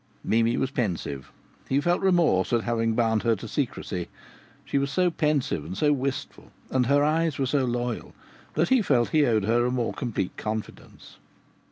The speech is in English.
Mimi was pensive. He felt remorse at having bound her to secrecy. She was so pensive, and so wistful, and her eyes were so loyal, that he felt he owed her a more complete confidence.